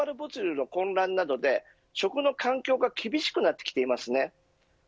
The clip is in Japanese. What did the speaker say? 負けさらにはグローバル物流の混乱などで食の環境が厳しくなってきています。